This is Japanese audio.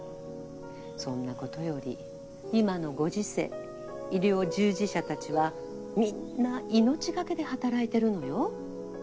そんなことより今のご時世医療従事者たちはみんな命懸けで働いてるのよ。